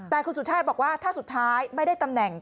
แต่คุณสุชาติบอกว่าถ้าสุดท้ายไม่ได้ตำแหน่ง